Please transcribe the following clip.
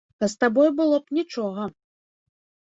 А з табой было б нічога.